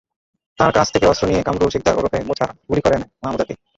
তাঁর কাছ থেকে অস্ত্র নিয়ে কামরুল সিকদার ওরফে মুছা গুলি করেন মাহমুদাকে।